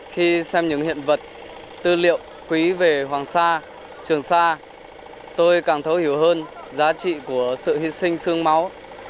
khi xem những hiện vật tư liệu quý về hoàng sa trường sa tôi càng thấu hiểu hơn giá trị của sự hy sinh sương máu